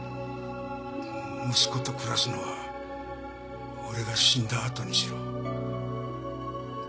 息子と暮らすのは俺が死んだあとにしろ。